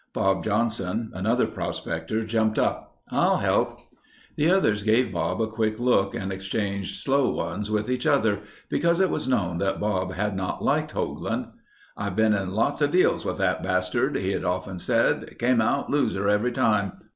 Bob Johnson, another prospector, jumped up. "I'll help." The others gave Bob a quick look and exchanged slow ones with each other, because it was known that Bob had not liked Hoagland. "I've been in lots of deals with that bastard," he had often said. "Came out loser every time.